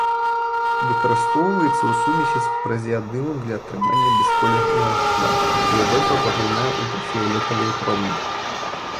Выкарыстоўваецца ў сумесі з празеадымам для атрымання бясколернага шкла, якое добра паглынае ультрафіялетавыя промні.